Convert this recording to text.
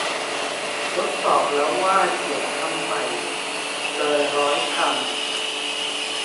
ทดสอบแล้วว่าเขียนคำใหม่เลยร้อยคำ